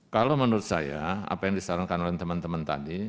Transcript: kalau menurut saya apa yang disarankan oleh teman teman tadi